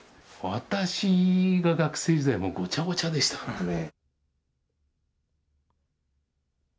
私が学生時代、もうごちゃごちゃでしたからね。